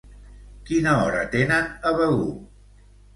Quina hora tenen a Begur?